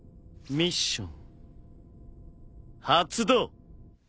ミッション！